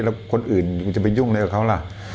แล้วคนอื่นกูจะไปยุ่งอะไรกับเขาล่ะ